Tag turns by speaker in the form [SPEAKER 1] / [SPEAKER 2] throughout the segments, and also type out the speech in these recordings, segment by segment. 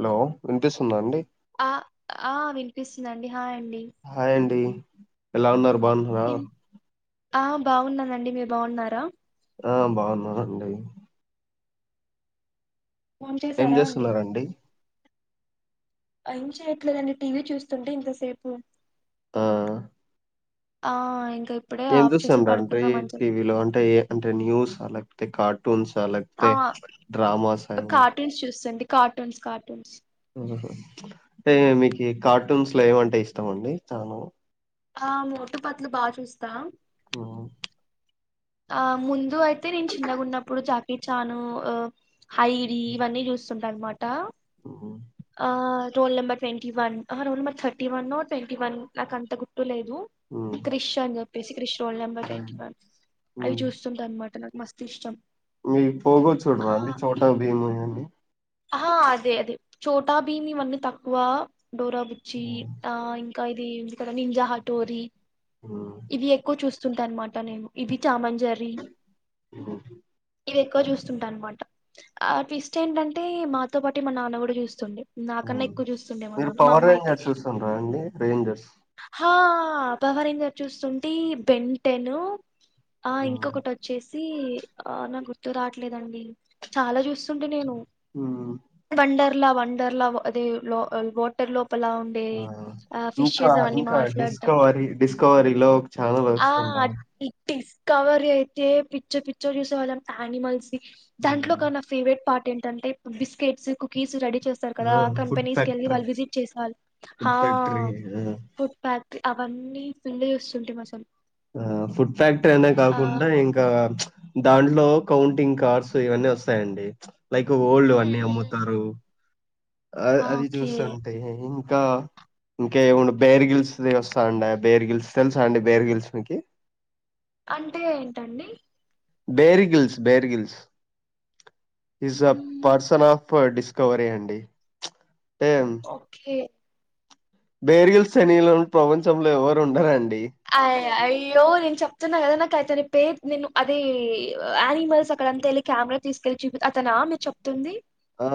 [SPEAKER 1] Hello వినిపిస్తుందా అండి.
[SPEAKER 2] ఆ ఆ వినిపిస్తుందండి హాయ్ అండి
[SPEAKER 1] హాయండి ఎలా ఉన్నారు బాగున్నారా
[SPEAKER 2] ఏం ఆ బాగున్నానండి మీరు బాగున్నారా
[SPEAKER 1] ఆ బాగున్నానండి
[SPEAKER 2] ఫోన్
[SPEAKER 1] ఏం
[SPEAKER 2] చేసారా
[SPEAKER 1] చేస్తున్నారండి
[SPEAKER 2] అయిం చేయట్లేదండి టీవీ చూస్తుంటే ఇంతసేపు
[SPEAKER 1] ఆ
[SPEAKER 2] ఆ ఇప్పుడే
[SPEAKER 1] ఏం
[SPEAKER 2] ఆఫ్ చేసి
[SPEAKER 1] చూసాను అంటే
[SPEAKER 2] పడుకుందాం అని చెప్పి
[SPEAKER 1] టీవీలో అంటే ఏ అంటే న్యూస్ లేకపోతే కార్టూన్స్ అంటే
[SPEAKER 2] ఆ
[SPEAKER 1] లేకపోతే డ్రామాస ఏమన్నా
[SPEAKER 2] కార్టూన్స్ చూస్తండి కార్టూన్స్ కార్టూన్స్
[SPEAKER 1] హ అంటే మీకు కార్టూన్స్ లో ఏమంటే ఇష్టామ అండి చాల
[SPEAKER 2] ఆ మోటుపట్లు బాగా చూస్తా
[SPEAKER 1] ఆ
[SPEAKER 2] ఆ ముందు అయితే నేను చిన్నగా ఉన్నప్పుడు జాకీ చాను హైడి ఇవన్నీ చూస్తుంటా అన్నమాట ఆ రోల్ నెంబర్ ట్వంటీ వన్ ఆ roll number thirty one twenty one నాక అంత గురుతు లేదు. క్రిష్ అని చెప్పేసి Krish roll number twenty one అవి చూస్త అన్నమాట మాట నాకు మస్త్ ఇష్టం
[SPEAKER 1] మీకు పోగొ చూడరా అండి చోట భీమువీ
[SPEAKER 2] ఆ అదే అదే చోటా బిమి ఇవన్నీ తక్కువ డోరాబుచ్చి ఆ ఇ ఇదిద నింజా హటోరి ఇవి ఎక్కువ చూస్తుంటా అన్నమాట నేను ఇవి టామ్ అండ్ జెర్రీ ఇది ఎక్కువ చూస్తుంట అన్నమాట ఆ ట్విస్ట్ ఏంటంటే మాతో పాటు మా నాన్న కూడా చూస్తుండే నాకన్నా ఎక్కువ
[SPEAKER 1] మీరు
[SPEAKER 2] చూస్తుండేమోన్నాన్న మా
[SPEAKER 1] పవర్
[SPEAKER 2] అమ్మ అయితే
[SPEAKER 1] రేంజర్స్ చూస్తుండ్రా అండి రేంజర్స్
[SPEAKER 2] ఆ అపవరిజ చూస్తుంటే బెంటెన్ ఆ
[SPEAKER 1] మ్మ్.
[SPEAKER 2] ఇంకొకటి వచ్చేసి ఆ నా గుర్తు రావట్లేదండి చాలా చూస్తుండే నేను
[SPEAKER 1] ఆ
[SPEAKER 2] వండర్లా వండర్లా అదే లో వోటర్ లో లా ఉండే
[SPEAKER 1] ఆ!
[SPEAKER 2] ఆ
[SPEAKER 1] ఇంకా,
[SPEAKER 2] ఫిషస్ అని
[SPEAKER 1] ఇంకా
[SPEAKER 2] మాట్లాడటం
[SPEAKER 1] డిస్కవరీ డిస్కవరీలో ఒక ఛానల్ వస్తుందా?
[SPEAKER 2] ఇటిస్ కవర్ అయితే పిచ్చి పిచ్చి గాచూసేవాళ్ళ అ నిమల్స్ దాంట్లో
[SPEAKER 1] హ్మ్.
[SPEAKER 2] ఒక నా ఫేవరెట్ ఇంపార్టెంట్ అంటే బిస్కెట్స్ కుకీస్ రెడీ చేస్తారు కదా
[SPEAKER 1] ఆ! ఫుడ్
[SPEAKER 2] కంపెనీ కి వెళ్ళి
[SPEAKER 1] ఫ్యాక్టరీ,
[SPEAKER 2] వాళ్ళు విజిట్ చేస్తారు
[SPEAKER 1] ఫుడ్ ఫ్యాక్టరీ ఆ!
[SPEAKER 2] పుత్పత్ అవన్నీ ఫూల్ చూస్తుంటిమి మసలు
[SPEAKER 1] ఆ ఫుడ్ ఫ్యాక్టరీ అనే కాకుండా ఇంకా దాంట్లో కౌంటింగ్ కార్స్ ఇవన్నీ వస్తాయండి లైక్ ఓల్డ్
[SPEAKER 2] మ్మ్,
[SPEAKER 1] అన్నీ
[SPEAKER 2] మ్మ్, మ్మ్.
[SPEAKER 1] అమ్ముతారు అ
[SPEAKER 2] ఆ,
[SPEAKER 1] అది
[SPEAKER 2] ఓకే
[SPEAKER 1] చూస్తుంటే ఇంకా ఇంకేము బేర్ గిల్స్ వస్తాండి బేర్ గిల్స్ తెలుసా అండి బేర్ గిల్స్ మీకి
[SPEAKER 2] అంటే ఏంటండి
[SPEAKER 1] Bear Grylls Bear Grylls is a
[SPEAKER 2] hmm,
[SPEAKER 1] person of dis discovery అండి
[SPEAKER 2] ఓకే
[SPEAKER 1] బేర్గిల్ తెలియని ప్రపంచంలో ఎవరు ఉండారంాండి
[SPEAKER 2] అయ అయ్యో నేను చెప్ప అన్నా కదా నాకు అతని పేర్ నేను అదే ఆనిమల్స్ అక్కడంతా వెళ్ళి కెమెరా తీసుకెళ్లి చూపి అతను ఆ మీరు చెప్తుంది
[SPEAKER 1] ఆ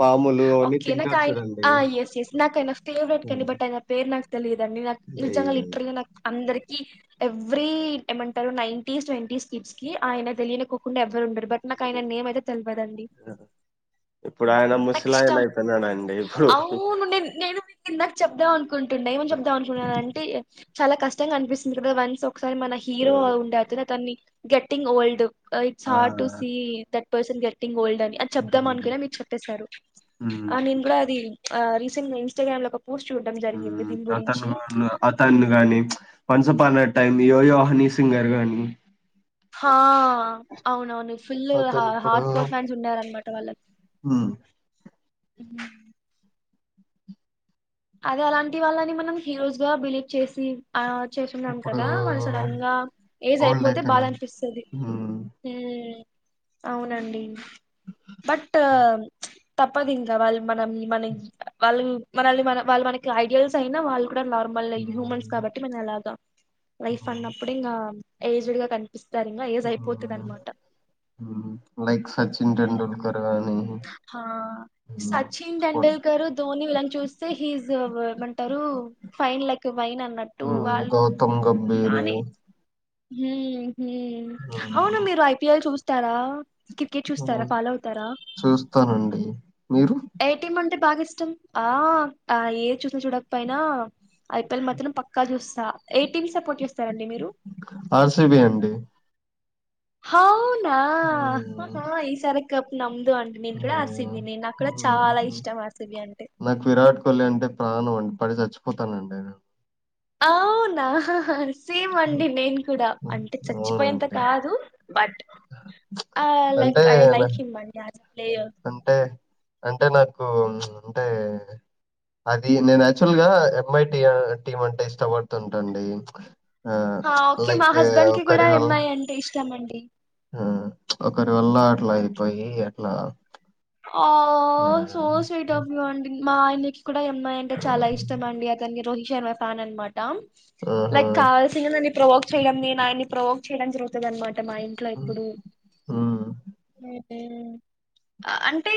[SPEAKER 1] పాములు అవన్నీ
[SPEAKER 2] ఓకే నాకు
[SPEAKER 1] తింటారు చూడండి.
[SPEAKER 2] ఆయన ఎస్ ఎస్ నాకుయన ఫేవరెట్ కని
[SPEAKER 1] హ్మ్.
[SPEAKER 2] బట్ ఆయన పేరు నాకు తెలియదన్ని నిజంగా
[SPEAKER 1] అయ్యయ్యో!
[SPEAKER 2] లిత్రలి అందరి ఎవ్రీ ఏమంటారు నైంటీస్ ట్వంటీ స్ిట్స్ కి ఆయన తెలియకోకుండా ఎవ్వరు ఉండరు బట్ నాకయినా నేమ్ అయితే తెలియదండి
[SPEAKER 1] ఇప్పుడు ఆయన
[SPEAKER 2] నాకు
[SPEAKER 1] ముసలాయన
[SPEAKER 2] ఇష్టం
[SPEAKER 1] అయిపోయినాడండి ఇప్పుడు.
[SPEAKER 2] అవును నేను ఇన్దాక చెప్దాం అనుకుంటుండే ఏమం చెప్దాం అనుకుున్న అంటే చాలా కష్టంగా కనిపిస్తుంది కదా వన్స్ ఒకసారి మన
[SPEAKER 1] ఆ!
[SPEAKER 2] హీరో ఉండే అతన్ని గెట్టింగ్ ఓల్డ్ ఇట్స్
[SPEAKER 1] ఆ!
[SPEAKER 2] Hard to see that person getting old అని అని చెప్దాం
[SPEAKER 1] హ్మ్.
[SPEAKER 2] అనుకునే మీకు చెప్పసారు
[SPEAKER 1] హ్మ్.
[SPEAKER 2] ఆ నేను కూడా అది ఆ రీసెంట్ ఇస్టాగ్రామ్ లో ఒక పోస్ట్ చూడడం జరిగింది దీని గురించి
[SPEAKER 1] అతను అతను గాని వన్స్ అప్ ఆన్ ఎ టైం యో యోహని సింగర్ నీ
[SPEAKER 2] హా అవునవును ఫుల్ హార్డ్ కోర్ ఫ్యాన్స్ ఉండారనమాట వాళ్ళకి
[SPEAKER 1] ఆ
[SPEAKER 2] ఉమ్. అదే అలాంటి వాళ్ళని మనం హీరోస్ గా బిలీవ్ చేసి ఆ చేస్తున్నాం
[SPEAKER 1] ఇప్పుడు
[SPEAKER 2] కదా మళ్ళ సడన్ గా ఏజ్
[SPEAKER 1] ఓల్డ్
[SPEAKER 2] అయిపోతే బాధ
[SPEAKER 1] అయిపోయినాడు.
[SPEAKER 2] అనిపిస్తది
[SPEAKER 1] హ్మ్.
[SPEAKER 2] అవునండి బట్ తప్పదు ఇంకా వాళ్ళు మన మన వాళ్ళు మనల్ని మన వాళ్ళు మనకి ఐడియాల్స్ అయినా వాళ్ళు నార్మల్ హ్యూమన్స్
[SPEAKER 1] హ్మ్.
[SPEAKER 2] కాబట్టి మే ఎలాగ లైఫ్
[SPEAKER 1] హ్మ్.
[SPEAKER 2] అన్నప్పుడు ఇంకా ఏజ్డ్ గా కని పిస్తారంగా ఏజు అయిపోత
[SPEAKER 1] హ్మ్.
[SPEAKER 2] అనమాట
[SPEAKER 1] లైక్ సచిన్
[SPEAKER 2] హ్మ్
[SPEAKER 1] టెండూల్కర్ గాని
[SPEAKER 2] హా
[SPEAKER 1] స్పో
[SPEAKER 2] సచిన్ గారు ధోని వీళ్ళను చూస్తే హిస్ ఏమంటారు ఫైన్ లైక్ వైన అన్నట్టు
[SPEAKER 1] హ్మ్.
[SPEAKER 2] వాళ్ళు
[SPEAKER 1] గౌతమ్ గంభీర్
[SPEAKER 2] బానే
[SPEAKER 1] హ్మ్.
[SPEAKER 2] అవునా మీరు ఐపిఎల్ చూస్తారా క్రికెట్ చూస్తారా
[SPEAKER 1] హ్మ్.
[SPEAKER 2] ఫాలో అవుతారా
[SPEAKER 1] చూస్తానండి. మీరు?
[SPEAKER 2] ఎఐటిం అంటే బాగా ఇష్టం ఆ ఆ ఏ చూసిన చూడకపోయినా ఐపీఎల్ మాత్రం పక్కా చూస్తా ఏ టీం సపోర్ట్ చేస్తారండి మీరు
[SPEAKER 1] ఆర్సిబి అండి
[SPEAKER 2] అవునా
[SPEAKER 1] హ్మ్.
[SPEAKER 2] ఈసారి కప్ నమ్ మందె అండి నేను కూడా అర్ సి
[SPEAKER 1] హ్మ్.
[SPEAKER 2] బి ని నాకు కూడా
[SPEAKER 1] హ్మ్.
[SPEAKER 2] చాలా ఇష్టం అర్ సి బి అంటే
[SPEAKER 1] లే అంటే ప్రాణం అండి పడి చచ్చిపోతానండి నేను
[SPEAKER 2] అవునా? సేమ్ అండి
[SPEAKER 1] హ్మ్.
[SPEAKER 2] నేను కూడా
[SPEAKER 1] హ్మ్.
[SPEAKER 2] అంటే చచ్చిపోయంత
[SPEAKER 1] అవునండి.
[SPEAKER 2] కాదు బట్ ఆ లైక్
[SPEAKER 1] అంటే,
[SPEAKER 2] ఐ లైక్ హిమ్ అండి ఎస్
[SPEAKER 1] అంటే అంటే నాకు అంటే అది నేను యాక్చువల్ గా ఎంఐ టీ టీమ్ అంటే ఇష్టపడుతుంటాండి
[SPEAKER 2] హ ఓకే మా హస్బెండ్ కి కూడా ఎమ్
[SPEAKER 1] వల్ల
[SPEAKER 2] మై అంటే ఇష్టంమండి
[SPEAKER 1] ఒకరి వల్ల అట్లా అయిపోయి అట్లా
[SPEAKER 2] ఆ సో
[SPEAKER 1] ఆహ్,
[SPEAKER 2] స్వీట్ఫ్ ఆఫ్ యూ అండి మా ఆయనకి కూడా ఎమ్మాయి అంటే చాలా ఇష్టం అండి అతన్ని రోహిష్ అన్మా ఫ్యాన్ అనమాట
[SPEAKER 1] ఆహా!
[SPEAKER 2] లైక్ కావాల్సింది నన్ను ప్రవోక్ చేయడం నే ఆయన్ని ప్రవోక్ చేయడం జరుగుతుంది అన్నమాట అంటే మా ఇంట్లో
[SPEAKER 1] హ్మ్.
[SPEAKER 2] ఎప్పుడు
[SPEAKER 1] హ్మ్.
[SPEAKER 2] అ అంటే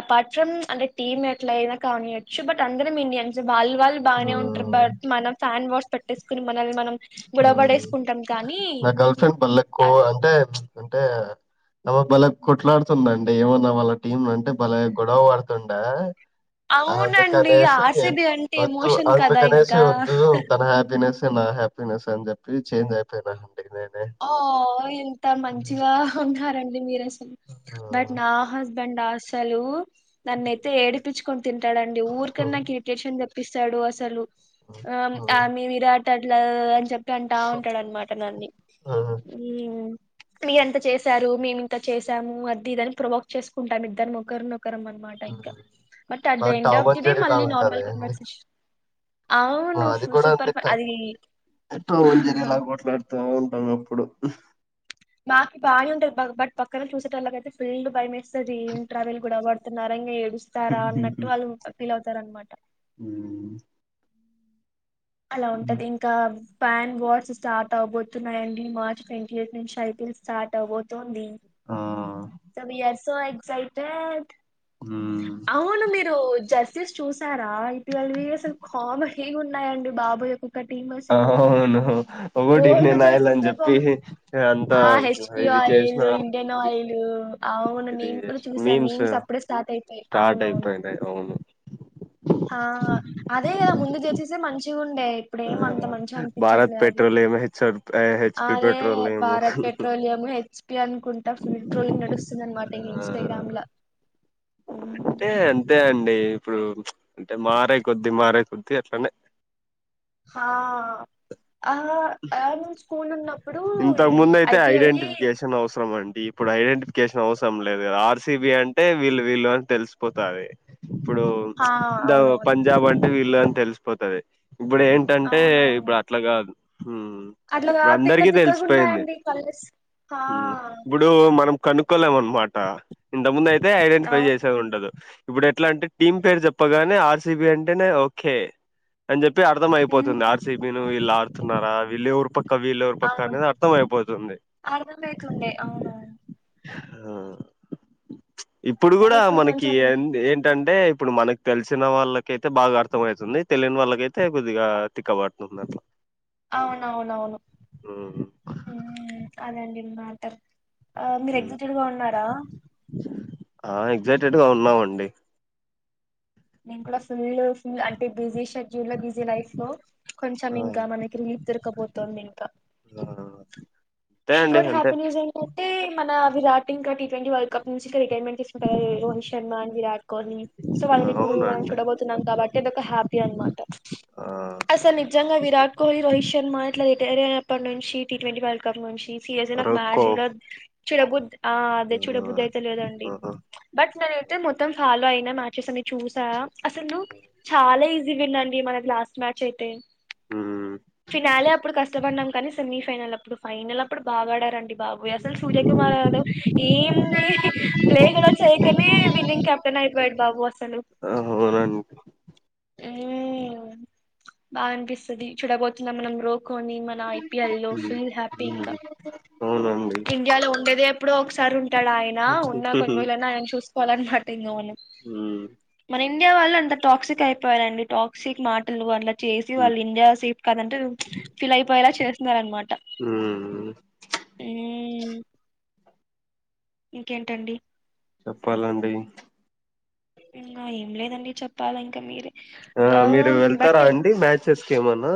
[SPEAKER 2] అపార్ట్ ఫ్రమ్ అంటే టీమ్ ఎట్లయినా కానియచ్చు బట్ అందరం ఇండియన్స్ వాళ్ళు వాళ్ళు బానే ఉంటారు
[SPEAKER 1] హ్మ్.
[SPEAKER 2] బట్ మనం ఫ్యాన్ వార్స్ పెట్టేసుకుని మనల్ని మనం గొడవ పడేసుకుంటాం కానీ
[SPEAKER 1] నా గర్ల్ ఫ్రెండ్ బల్లక్కో
[SPEAKER 2] అ-
[SPEAKER 1] అంటే అంటే బలే కొట్లాడుతుండండి ఏమన్నా వాళ్ళ టీమ్ అంటే బలే గొడవ వడుతుండే అందు
[SPEAKER 2] అవునండి
[SPEAKER 1] కనేసి
[SPEAKER 2] ఆర్‌సీబీ అంటే
[SPEAKER 1] వద్దు
[SPEAKER 2] ఎమోషన్
[SPEAKER 1] అందు
[SPEAKER 2] కదా
[SPEAKER 1] కనేసి
[SPEAKER 2] ఇంకా.
[SPEAKER 1] వద్దు తన హ్యాపినెస్ నా హ్యాపీనెస్ అని చెప్పి చేంజ్ అయిపోయిన
[SPEAKER 2] అ్వ్వ్ ఎంత మంచిగా ఉన్నారండి మీరు అసలు బట్
[SPEAKER 1] ఆ,
[SPEAKER 2] నా హస్బెం అండ్ అసలు నన్నయితే ఏడిపిచుకొని తింటాడండి ఊరికన్నా నాకు ఇరిటేషన్ తెప్ ప్పిస్తాడు అసలు
[SPEAKER 1] ఆ,
[SPEAKER 2] ఆమె విరాట్ అట్లా అని చెప్ గంటా ఉంటాడునమాట నన్ని
[SPEAKER 1] ఆ
[SPEAKER 2] మీ ఎంత చేసారు మేమి ఇంత చేసాము అది ఇదని ప్రవోక్ చేసుకుంటాం ఇద్దరం ఒకరిని ఒకరు ఒకరు అనమాట ఇంకా బట్ అట్
[SPEAKER 1] ఆ,
[SPEAKER 2] the end
[SPEAKER 1] Tom
[SPEAKER 2] of the
[SPEAKER 1] and
[SPEAKER 2] day
[SPEAKER 1] Jerry లా
[SPEAKER 2] మళ్ళీ నార్మల్ కన్వర్షషన్
[SPEAKER 1] మాది కూడా అంతిట్ట ఎట్టో మంజరి ఇలా కొట్లాడుతూ ఉంటాం ఇప్పుడు
[SPEAKER 2] మాకి బానే ఉంటది బట్ పక్కన చూసే టోలకి అయితే ఫుల్ భయమేస్తది ట్రావెల్ కూడా అత్ నరంగా ఏడుస్తారా అన్నట్టు వాళ్ళు ఫీల్ అవుతార అనమాట
[SPEAKER 1] మ్మ్
[SPEAKER 2] అలా ఉంటది ఇంకా పాన్ వార్స్ స్టార్ట్ అవబోతున్నాయండి మార్చ్ ట్వంటీ ఎయిట్ నుంచి ఐపీల్ స్టార్ట్ అవబోతుంది.
[SPEAKER 1] ఆ,
[SPEAKER 2] సోవె ఆర్ సో ఎక్సటెడ్
[SPEAKER 1] ఉమ్,
[SPEAKER 2] అవును మీరు జస్ స్ చూసారా ఐపీఎల్వి అసలు కామెడీ గా ఉన్నాయ అండి బాబోయ అసల్ టీం అసలు
[SPEAKER 1] అవును ఒకటి
[SPEAKER 2] ఓల్డ్
[SPEAKER 1] ఇండియన్ ఆయిల్
[SPEAKER 2] జెర్సీస్
[SPEAKER 1] అని
[SPEAKER 2] సే
[SPEAKER 1] చెప్పి
[SPEAKER 2] బాగు
[SPEAKER 1] అంత
[SPEAKER 2] హెచ్ పి
[SPEAKER 1] ఇది చేసిన
[SPEAKER 2] ఆయిల్ ఇండియన్
[SPEAKER 1] ఇది
[SPEAKER 2] ఆయిల్ అవును
[SPEAKER 1] ఇది
[SPEAKER 2] నేన్ కూడా చూసా మీమ్స్ అప్పుడే స్టార్ట్ అయితాయి అవునవును
[SPEAKER 1] ఇన్ ట్రై ఐతే అవును
[SPEAKER 2] హ అదే ముందు జడ్జెస్ ఎ మంచి అండే ఇప్పుడ
[SPEAKER 1] ఆ
[SPEAKER 2] ఏం అంత మంచిగా
[SPEAKER 1] భారత్
[SPEAKER 2] అనిపించట్లే అవి
[SPEAKER 1] పెట్రోలియం హెచ్ హెచ్పి
[SPEAKER 2] అదే
[SPEAKER 1] petroleum
[SPEAKER 2] Bharat petroleum HP అనుకుంటా ఫుల్ ట్రోలింగ్ నడుస్తుంది అనమాట
[SPEAKER 1] ఆ
[SPEAKER 2] ఇన్స్టాగ్రామ్ లో
[SPEAKER 1] అంటే అంతే అండి ఇప్పుడు అంటే మారే కొద్ద్దీ మారే కొద్ద్దీ అట్లనే
[SPEAKER 2] హా ఆ అ రోజు స్కూల్ ఉన్నప్పుడు
[SPEAKER 1] ఇంతకు
[SPEAKER 2] ఇ
[SPEAKER 1] ముందు అయితే
[SPEAKER 2] ఐపిఎల్ ది
[SPEAKER 1] ఐడెంటిఫికేషన్ అవసరం అండి ఇప్పుడు ఐడెంటిఫికేషన్ అవసరం లేదు కదా ఆర్సిబి అంటే వీళ్ళు వీళ్ళు అని తెలిసిపోతది ఇప్పుడు
[SPEAKER 2] హా
[SPEAKER 1] ఇంద
[SPEAKER 2] అవునవును
[SPEAKER 1] పంజాబ్ అంటే వీళ్ళు అని తెలిసిపోతుది ఇప్పుడు ఏంటంటే
[SPEAKER 2] అవునవును
[SPEAKER 1] ఇప్పుడు అట్లా కాదు హ్మ్మ్
[SPEAKER 2] అట్లా
[SPEAKER 1] ఇపుడు
[SPEAKER 2] కాదు తిక్క
[SPEAKER 1] అందరికీ తెలిసిపోయింది
[SPEAKER 2] తిక్కగున్నాయండి కలర్స్ హా
[SPEAKER 1] హ్మ్మ్ ఇప్పుడు మనం కనుక్కోలేం అనమాట ఇంత ముందు అయితే ఐడెంటిఫై
[SPEAKER 2] అవును
[SPEAKER 1] చేసే ఉండదు ఇప్పుడు ఎట్లా అంటే టీమ్ పేరు చెప్పగానే ఆర్ సి బి అంటేనే ఓకే అని చెప్పి తె అర్థంమయిపోతుంది
[SPEAKER 2] మ్
[SPEAKER 1] ఆర్ సి బి ను ఇలా ఆ వస్తున్నారా వీళ్ళేవారి పక్క వీళ్ళే ఎవరి పక్క
[SPEAKER 2] అవును
[SPEAKER 1] అనేది అర్థం అయిపోతుంది పోతుంది
[SPEAKER 2] అవునా
[SPEAKER 1] హ ఇప్పుడు
[SPEAKER 2] అదే
[SPEAKER 1] కూడా మనకి
[SPEAKER 2] కొంచెం
[SPEAKER 1] ఎండే ఏంటంటే ఇప్పుడు మనకు తెలిసిన వాళ్ళకైతే బాగా అర్థమయితుంది. తెలియని వాళ్ళకైతే కొద్దిగా తిక్కబడుతుంద్ తుంది అట్లా
[SPEAKER 2] అవునవునవును
[SPEAKER 1] ఉమ్.
[SPEAKER 2] ఉ అదండి మ్యాటర్ మీరు
[SPEAKER 1] ఉమ్.
[SPEAKER 2] ఎగ్జాట్ గా ఉన్నారా
[SPEAKER 1] ఆ ఎగ్జైటెడ్ గా ఉన్నామండి
[SPEAKER 2] నేను కూడా ఫుల్ ఫుల్ అంటే బిజీ షెడ్యూల బిజీ లైఫ్ లో కొంచెం
[SPEAKER 1] ఆ
[SPEAKER 2] ఇంకా మనకి రిలీఫ్ దొరకపోతుంది ఇంకా
[SPEAKER 1] ఆ, అంతే అండి
[SPEAKER 2] ఇంకోటి
[SPEAKER 1] అంతే
[SPEAKER 2] హ్యాపీనెస్ ఏంటంటే మన విరాట్ ఇంకా టీ ట్వంటీ వరల్డ్ కప్ నుంచి సో రిటైర్మెంట్ తీసుకుంటారు రోహిత్ శర్మ విరాట్ కోహ్లీ సో వాళ్
[SPEAKER 1] ఆ,
[SPEAKER 2] ఇప్పుడు
[SPEAKER 1] అవునా
[SPEAKER 2] మనం
[SPEAKER 1] అండి
[SPEAKER 2] చూడబోతున్నాం కాబట్టి అదొక ఒక హ్యాపీ అన్నమాట
[SPEAKER 1] ఆ
[SPEAKER 2] అసలు నిజంగా విరాట్ కోహిల్ రోహి శర్మ ఎట్లా తె తేరేనాపనుచ్చి టి ట్వంటీ వరల్డ్ కప్ నుంచి సిరాయస్ నాకు బాగా
[SPEAKER 1] రొక్కో
[SPEAKER 2] చూడ చూడబుద్ధి ఆ అదే చూడబుద్ది అయితే లేదండి
[SPEAKER 1] ఆ
[SPEAKER 2] బట్ నేనైతే మొత్తం ఫాలో అయినా మ్యాచెస్ అన్ని చూసా అసలు చాలా ఈజీ గా ఉందడి మన లాస్ట్ మ్యాచ్ అయితే
[SPEAKER 1] మ్మ్
[SPEAKER 2] ఫినాలే అప్పుడు కష్టపాడినం కానీ సెమీఫైనల్ అప్పుడు ఫైనల్ అప్పుడు బాగాడారండి. బాబోయ్ అసలు సూర్య కుమార్ అసల్ ఏం దే ప్లే గాచకనే విన్నింగ్ కెప్టెన్ అయిపోయాడు బాబు అసలు
[SPEAKER 1] అవునం
[SPEAKER 2] ఉ బాగా అనిపిస్తాది. చూడబోతునం మనం రో కొన్ని మన ఐ పీ ఎల్ లో ఫుల్ హ్యాపీ ఇంకా
[SPEAKER 1] మ్మ్ అవునండి
[SPEAKER 2] ఇండియాలో ఉండేదే ఎప్పుడో ఒకసారి ఉంటాడు ఆయన ఉన్న కొన్ని రోజులైన ఆయన చూసుకోవాలన్న [unintelligible]
[SPEAKER 1] ఉ
[SPEAKER 2] ఇండియా వాళ్ళ అంత టాక్సిక్ అయిపోవాలండి టాక్సిక్ మాటలు అట్ల చేసి వాళ్ళు ఇండియా సేఫ్ కాదంటు ఫిల్ అయిపోయేలా చేస్తున్నారు అన్నమాట
[SPEAKER 1] ఉ హు
[SPEAKER 2] ఉమ్ ఇంకేంటండి
[SPEAKER 1] చెప్పాలండి
[SPEAKER 2] ఇంకా ఏమ్ ఉన్నాయి. ఏం లేదండి చెప్పాలే ఇంకా మీరే
[SPEAKER 1] ఆ మీరు వెళ్తారా
[SPEAKER 2] బట్
[SPEAKER 1] అండి మ్యాచెస్కి ఏమనా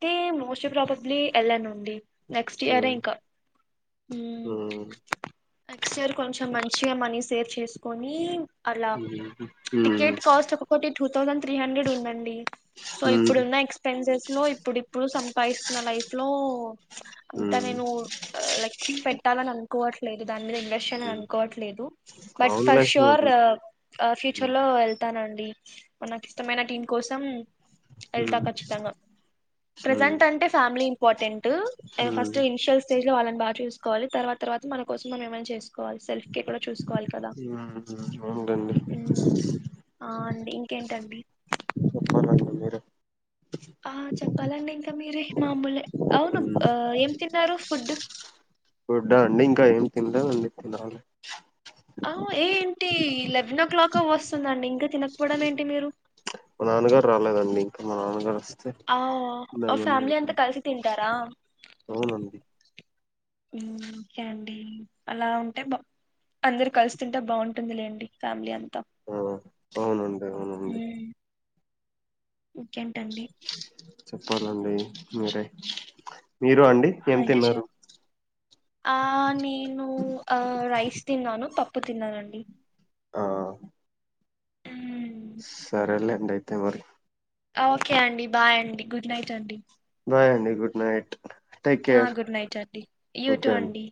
[SPEAKER 2] ఫ్రీ ఏమ్ ఉ ముసూర్పాపా ప్లి ఎలానండి. నెక్స్ట్ ఇయరే
[SPEAKER 1] మ్మ్
[SPEAKER 2] ఇంకా
[SPEAKER 1] మ్మ్
[SPEAKER 2] నెక్స్ట్ ఇయర్ కొంచెం మంచిగా మనీ సేవ్ చేసుకోని అలా
[SPEAKER 1] మ్మ్
[SPEAKER 2] టికెట్ కాస్ట్ ఒక్కటి టూ థౌసండ్ త్రీ హండ్రెడ్ ఉందండి సో
[SPEAKER 1] మ్మ్
[SPEAKER 2] ఇప్పుడున్న ఎక్స్పెన్సెస్ లో ఇప్పుడు ఇప్పుడు సంపాదిస్తున్న లైఫ్ లో అంతా
[SPEAKER 1] మ్మ్
[SPEAKER 2] నేను లైక్ పెట్టాలని అనుకోవట్లేదు దాని మీద ఇన్వెస్ట్ చేయాలని
[SPEAKER 1] మ్మ్
[SPEAKER 2] అనుకోవట్లేదు బట్
[SPEAKER 1] అవునులే
[SPEAKER 2] ఫర్
[SPEAKER 1] మ్మ్
[SPEAKER 2] షూర్ ఆ
[SPEAKER 1] మ్మ్
[SPEAKER 2] ఫ్యూచర్ లో వెళ్తానండి నాకు ఇష్టమైన టీం కోసం వెళ్తా ఖచ్చితంగా
[SPEAKER 1] మ్మ్
[SPEAKER 2] ప్రజెంట్ అంటే ఫ్యామిలీ ఇంపార్టెంట్ ట్
[SPEAKER 1] మ్మ్
[SPEAKER 2] ఫస్ట్ ఇనిషిల్ స్టేజలో వాళ్ళని బాగా చూ సుకోవాలి. తర్వాత తర్వాత మన కోసం మనం ఏమ చేస్ వాళ్ల సెల్ఫ్ కే కూడా చూసుకోవాలి కదా
[SPEAKER 1] మ్మ్ అవునులేండి
[SPEAKER 2] ఉ ఆ ఇంకేంటండి
[SPEAKER 1] అవునండి మీరు
[SPEAKER 2] ఆ చెప్పాలండి ఇంకా మీరే మామూలే అవును ఆ ఏం తిన్నారు ఫుడ్
[SPEAKER 1] గుడ్డా అండి ఇంకా ఏం తిన్లే అన్ని తినాలి.
[SPEAKER 2] ఆ ఏంటి లెవెన్ ఓ క్లాక్ వస్తుందండి ఇంకా తినకపోవడం ఏంటి మీరు
[SPEAKER 1] మా నాన్నగారు రాలేదండి ఇంకా మా నాన్నగారు
[SPEAKER 2] ఆవ్
[SPEAKER 1] ఉందామని
[SPEAKER 2] ఫ్యామిలీ అంతా
[SPEAKER 1] వెయిటింగ్
[SPEAKER 2] కలిసి తింటారా
[SPEAKER 1] అవునండి
[SPEAKER 2] ఉ ఓకే అండి అలా ఉంటే బా అందరు కలుసి తింటే బాగుంటుందిలేండి ఫ్యామిలీ అంత
[SPEAKER 1] ఆ అవునండి అవునండి
[SPEAKER 2] మ్మ్, ఇంకేంటండి
[SPEAKER 1] చెప్పాలండి మీరే మీరు అండి
[SPEAKER 2] ఆ,
[SPEAKER 1] ఏం
[SPEAKER 2] ఇంకా చె
[SPEAKER 1] తిన్నారు
[SPEAKER 2] ఆ నేను ఆ రైస్ తిన్నాను పప్పు తిన్నాను అండి
[SPEAKER 1] ఆ
[SPEAKER 2] ఉ
[SPEAKER 1] సరేలేండి అయితే మరి
[SPEAKER 2] ఓకే అండి బాయ్ అండి గుడ్ నైట్ అండి
[SPEAKER 1] బాయ్ అండి good night take care
[SPEAKER 2] good night అండి యూ టూ
[SPEAKER 1] ఓకే అండీ
[SPEAKER 2] అండి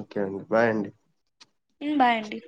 [SPEAKER 1] ఓకే అండి బాయ్ అండి
[SPEAKER 2] ఊ బాయ్ అండి